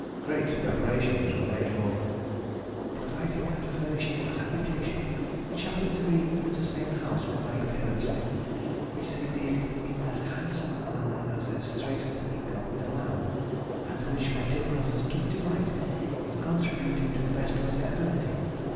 Great preparations were made for "providing and furnishing a habitation (which happened to be in the same house where my parents lived), which they did in as handsome a manner as their straitened income would allow, and to which my dear brothers took delight in contributing to the best of their ability.